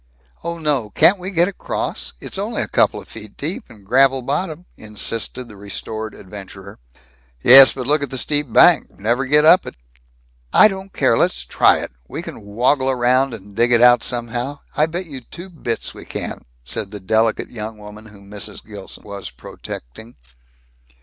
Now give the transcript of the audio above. "Oh no! Can't we get across? It's only a couple of feet deep, and gravel bottom," insisted the restored adventurer. "Yes, but look at the steep bank. Never get up it." "I don't care. Let's try it! We can woggle around and dig it out somehow. I bet you two bits we can," said the delicate young woman whom Mrs. Gilson was protecting.